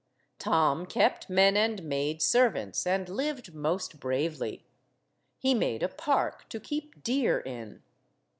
Tom kept men and maid servants, and lived most bravely. He made a park to keep deer in.